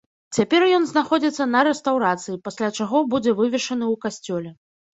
Цяпер ён знаходзіцца на рэстаўрацыі, пасля чаго будзе вывешаны ў касцёле.